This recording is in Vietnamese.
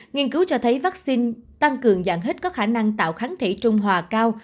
nghiên cứu cho thấy vaccine tăng cường dạng hết có khả năng tạo kháng thể trung hòa cao